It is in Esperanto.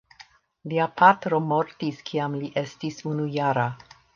Lia patro mortis kiam li estis unujara.